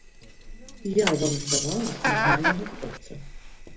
Я вам здавала нармальнага хлопца.